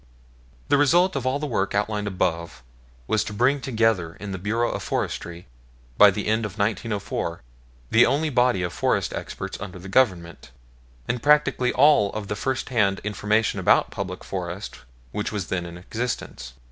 The result of all the work outlined above was to bring together in the Bureau of Forestry, by the end of 1904, the only body of forest experts under the Government, and practically all of the first hand information about the public forests which was then in existence.